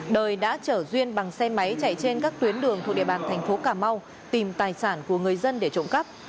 đời đã chở duyên bằng xe máy chạy trên các tuyến đường thuộc địa bàn thành phố cà mau tìm tài sản của người dân để trộm cắp